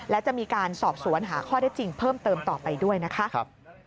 และจะมีการสอบสวนหาข้อได้จริงเพิ่มเติมต่อไปด้วยนะคะ